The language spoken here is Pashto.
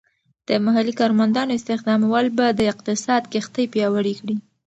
د محلی کارمندانو استخدامول به د اقتصاد کښتۍ پیاوړې کړي.